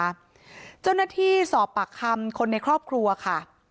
เจ้าหน้าที่สอบปากคำคนในครอบครัวค่ะ